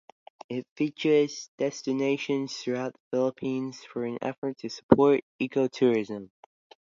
It features destinations throughout the Philippines for an effort to support ecotourism.